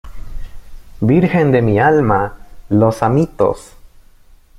¡ virgen de mi alma! ¡ los amitos !